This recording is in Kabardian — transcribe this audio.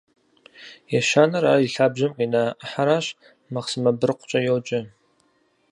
Ещанэр, ар и лъабжьэм къина ӏыхьэращ, махъсымэ быркъукӏэ йоджэ.